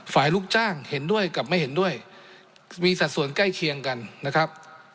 ลูกจ้างเห็นด้วยกับไม่เห็นด้วยมีสัดส่วนใกล้เคียงกันนะครับ